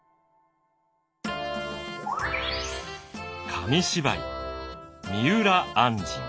紙芝居「三浦按針」。